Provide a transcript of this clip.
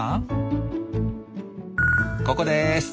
ここです！